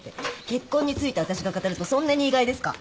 結婚について私が語るとそんなに意外ですか？